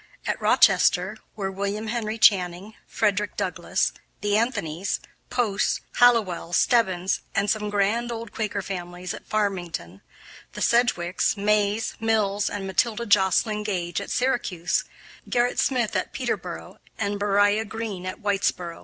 At Rochester were William Henry Channing, Frederick Douglass, the Anthonys, Posts, Hallowells, Stebbins, some grand old Quaker families at Farmington, the Sedgwicks, Mays, Mills, and Matilda Joslyn Gage at Syracuse; Gerrit Smith at Peterboro, and Beriah Green at Whitesboro.